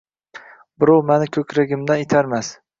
Birov mani ko‘kragimdan itarmas.